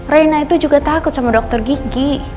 raina itu juga takut sama dokter gigi